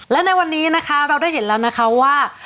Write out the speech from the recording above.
และในวันนี้นะคะเราได้เห็นแล้วนะคะว่า